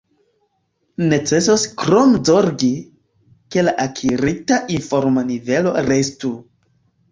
Necesos krome zorgi, ke la akirita informo-nivelo restu.